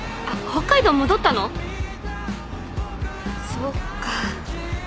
そっか。